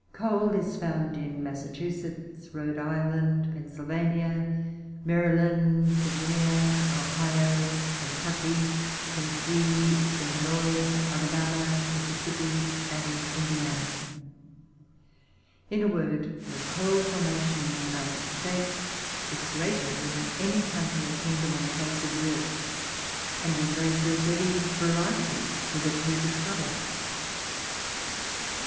Coal is found in Massachusetts, Rhode Island, Pennsyl vania, Maryland, Virginia, Ohio, Kentucky, Tennessee, Illinois, Alabama, Mississippi, and Indiana ; in a word, the coal formation in the United States is greater than in any country or kingdom on the face of the earth, and embraces every variety hitherto disco vered.